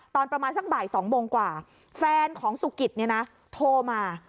ตอนประมาณสักบ่าย๒โมงกว่าแฟนของสุกิตเนี่ยนะโทรมา